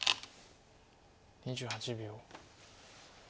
２８秒。